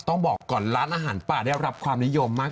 ต้องบอกก่อนร้านอาหารป่าได้รับความนิยมมาก